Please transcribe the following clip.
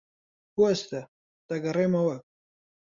بوەستە. دەگەڕێمەوە.